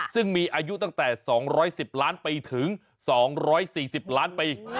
ซึ่งมีอายุตั้งแต่๒๑๐ล้านไปถึง๒๔๐ล้านปี